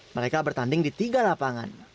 mereka bertanding di tiga lapangan